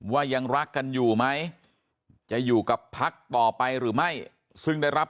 ว่ายังรักกันอยู่ไหมจะอยู่กับพักต่อไปหรือไม่ซึ่งได้รับ